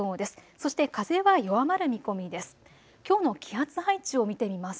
そして風は弱まる見込みです。